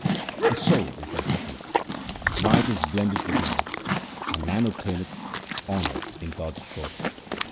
The soul is then happy, light is blended with light, and man obtaineth honour in God's court.